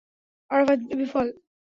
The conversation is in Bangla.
আরাফাত বিফল।